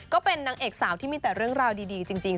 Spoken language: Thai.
ก็เป็นนางเอกสาวที่มีแต่เรื่องราวดีจริง